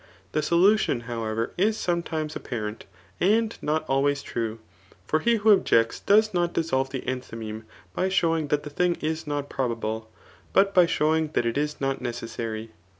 The solution, however, is [sometimes] ap« paxcnt) and not always true; for he who objects does not dissolve the ^nthymeme by showing that the thiiig is ilot probable, but by showing that it is not necessary.